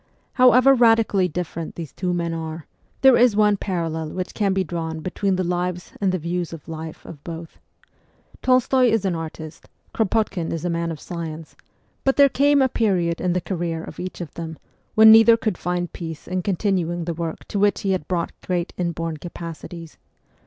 However radically different these two men are, there is one parallel which can be drawn between the lives and the views on life of both. Tolstoy is an artist, Kropotkin is a man of science ; but there came a period in the career of each of them, when neither could find peace in continuing the work to which he had brought great inborn capacities.